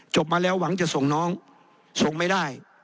มาแล้วหวังจะส่งน้องส่งไม่ได้